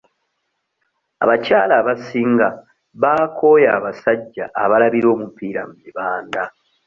Abakyala abasinga baakooye abasajja abalabira omupiira mu bibanda.